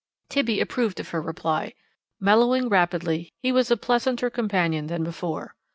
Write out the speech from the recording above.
Tibby approved of her reply. Mellowing rapidly, he was a pleasanter companion than before.